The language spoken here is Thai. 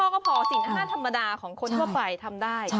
๕ข้อก็พอศีล๕ธรรมดาของคนทั่วไปทำได้